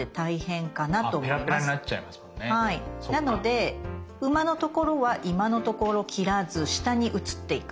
なので馬のところは今のところ切らず下に移っていく。